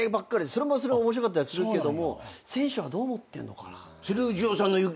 それもそれで面白かったりするけども選手はどう思ってんのかな？